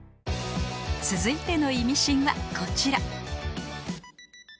続いてのイミシンはこちら。